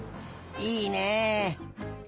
いいね。